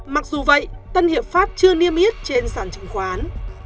mặc dù vậy tân hiệp pháp chưa niêm yết trên sản chứng khoán